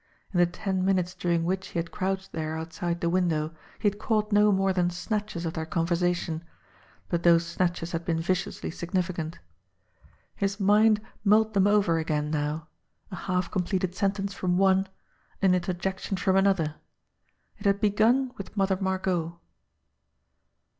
In the ten minutes during which he had crouched there outside the window, he had caught no more than snatches of their conversation; but those snatches had been viciously significant. His mind mulled them over again now; a half completed sentence from one, an interjection from another. It had begun with Mother Margot.